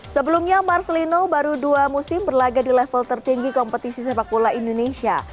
sebelumnya marcelino baru dua musim berlagak di level tertinggi kompetisi sepak bola indonesia